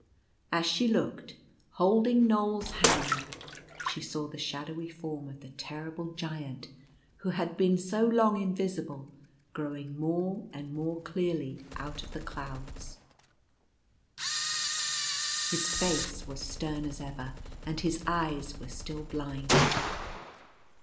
as she looked, holding Knoal's hand, she saw the shadowy form of the terrible Giant who had been so long invisible growing more and more clearly out of the clouds. His face was stern as ever, and his eyes were still blind.